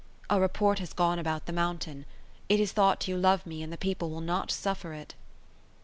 A report has gone about the mountain; it is thought you love me, and the people will not suffer it."